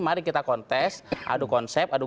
mari kita kontes aduk konsep aduk